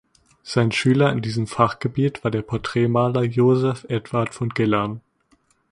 Sein Schüler in diesem Fachgebiet war der Porträtmaler Joseph Edward von Gillern.